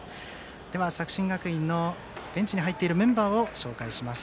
では作新学院のベンチに入っているメンバーを紹介します。